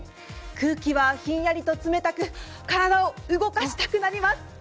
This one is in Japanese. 空気はひんやりと冷たく、体を動かしたくなります！